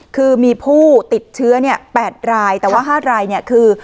คือมีผู้ติดเชื้อ๘รายแต่ว่า๕รายเนี่ยคือ